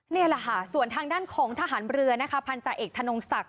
นี่แหละค่ะส่วนทางด้านของทหารเรือนะคะพันธาเอกธนงศักดิ